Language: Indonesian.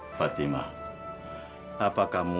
kamu pasti akan memberi yang terbaik buat kamu